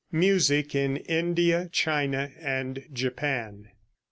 MUSIC IN INDIA, CHINA AND JAPAN.